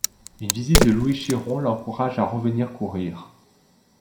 Une visite de Louis Chiron l'encourage à revenir courir.